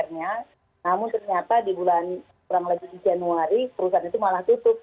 namun ternyata di bulan kurang lebih di januari perusahaan itu malah tutup